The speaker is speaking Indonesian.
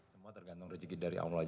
semua tergantung rezeki dari allah aja